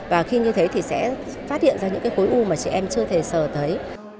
và khi như thế thì sẽ phát hiện ra những cái khối u mà chị em chưa thể sờ thấy